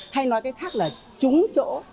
hay nói cái khác là trúng chỗ